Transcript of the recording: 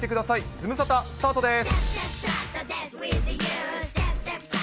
ズムサタスタートです。